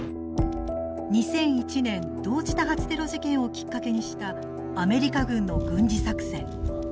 ２００１年同時多発テロ事件をきっかけにしたアメリカ軍の軍事作戦。